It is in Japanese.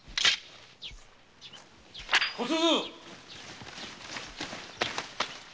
小鈴！